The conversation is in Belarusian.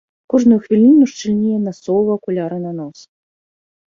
Кожную хвіліну шчыльней насоўваў акуляры на нос.